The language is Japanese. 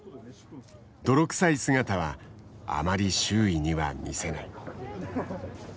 泥臭い姿はあまり周囲には見せない。